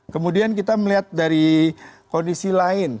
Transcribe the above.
kemudian kita melihat dari kondisi lain